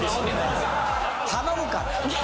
頼むから。